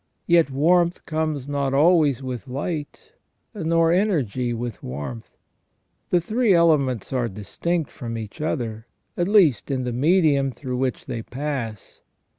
Yet warmth comes not always with light, nor energy with warmth. The three elements are distinct from each other, at least in the medium through which they pass.